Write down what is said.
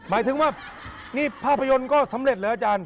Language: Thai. หมายถึงว่านี่ภาพยนตร์ก็สำเร็จแล้วอาจารย์